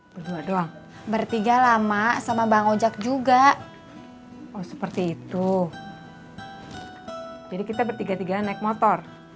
berdua doang bertiga lama sama bang ojak juga oh seperti itu jadi kita bertiga tiga naik motor